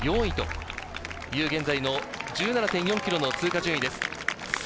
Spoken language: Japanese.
城西大学が４位という現在の１７．４ｋｍの通過順位です。